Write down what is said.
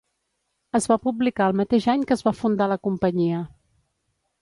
Es va publicar el mateix any que es va fundar la companyia.